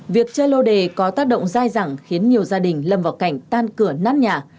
việc chơi lô đề có tác động dài dẳng khiến nhiều gia đình lâm vào cảnh tan cửa nát nhà